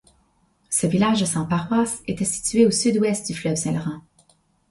Ce village sans paroisse était situé au sud-ouest du fleuve Saint-Laurent.